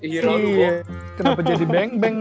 kenapa jadi beng beng